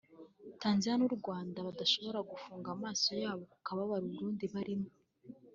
Tanzania n’u Rwanda badashobora gufunga amaso yabo ku kababaro Abarundi barimo